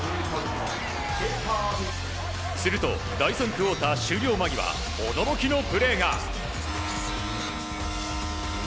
すると、第３クオーター終了間際驚きのプレーが。